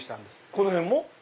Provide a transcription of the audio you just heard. この辺も？